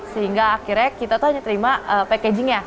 sehingga akhirnya kita tuh hanya terima packagingnya